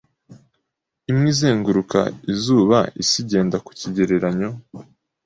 imwe izenguruka izubaIsi igenda ku kigereranyo